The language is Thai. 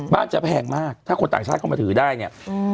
บ้านจะแพงมากถ้าคนต่างชาติเข้ามาถือได้เนี่ย